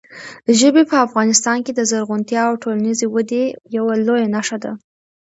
ژبې په افغانستان کې د زرغونتیا او ټولنیزې ودې یوه لویه نښه ده.